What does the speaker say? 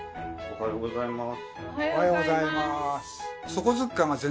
おはようございます。